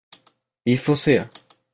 Vi får se.